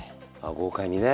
豪快にね！